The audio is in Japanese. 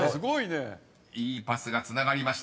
［いいパスがつながりました。